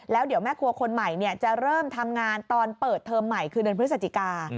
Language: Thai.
แล้วเดี๋ยวแม่ครัวคนใหม่จะเริ่มทำงานตอนเปิดเทอมใหม่คือเดือนพฤศจิกา